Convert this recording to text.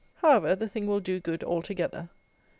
However, the thing will do good altogether.